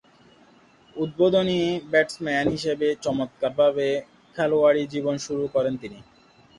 উদ্বোধনী ব্যাটসম্যান হিসেবে চমৎকারভাবে খেলোয়াড়ী জীবন শুরু করেন তিনি।